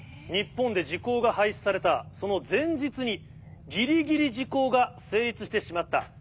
日本で時効が廃止されたその前日にギリギリ時効が成立してしまった。